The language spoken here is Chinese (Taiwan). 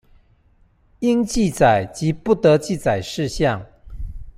應記載及不得記載事項